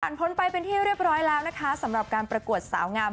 พ้นไปเป็นที่เรียบร้อยแล้วนะคะสำหรับการประกวดสาวงาม